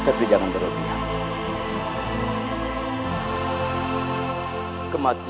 tapi jangan berlutih